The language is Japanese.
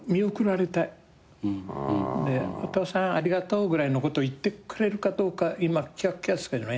「お父さんありがとう」ぐらいのことを言ってくれるかどうか今きわっきわですけどね。